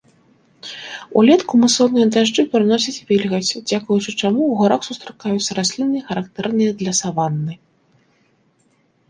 Улетку мусонныя дажджы прыносяць вільгаць, дзякуючы чаму ў гарах сустракаюцца расліны, характэрныя для саванны.